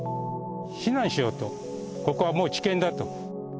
避難しようと、ここはもう危険だと。